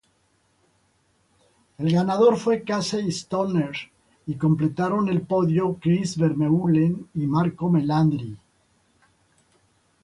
El ganador fue Casey Stoner y completaron el podio Chris Vermeulen y Marco Melandri.